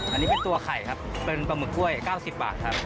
อันนี้เป็นตัวไข่ครับเป็นปลาหมึกกล้วย๙๐บาทครับ